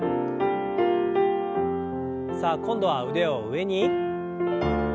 さあ今度は腕を上に。